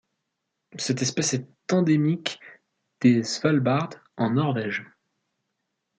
Cette espèce est endémique des Svalbard en Norvège.